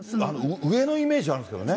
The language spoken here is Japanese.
上のイメージあるんですけどね。